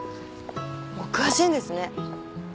お詳しいんですね。